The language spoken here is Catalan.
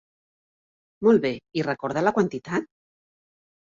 Molt bé, i recorda la quantitat?